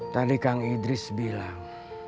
tadi kang idris bilang